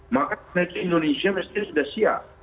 maka indonesia sudah siap